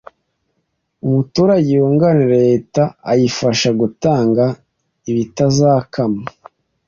umuturage wunganira Leta ayifasha gutanga ibitazakama